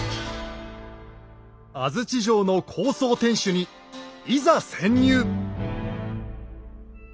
安土城の高層天主にいざ潜入！